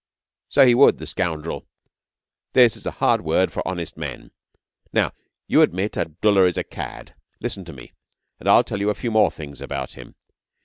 'So he would, the scoundrel! This is a hard world for honest men. Now, you admit Abdullah is a cad. Listen to me, and I'll tell you a few more things about him.